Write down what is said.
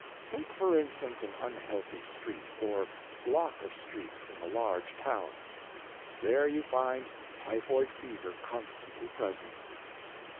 Take, for instance, an unhealthy street, or block of streets in a large town. There you find typhoid fever Results of Uncleanness. 45 constantly present.